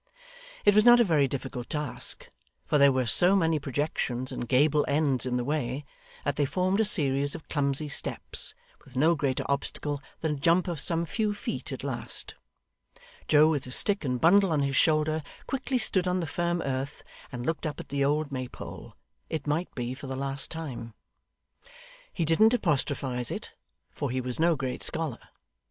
It was not a very difficult task; for there were so many projections and gable ends in the way, that they formed a series of clumsy steps, with no greater obstacle than a jump of some few feet at last. Joe, with his stick and bundle on his shoulder, quickly stood on the firm earth, and looked up at the old Maypole, it might be for the last time. He didn't apostrophise it, for he was no great scholar.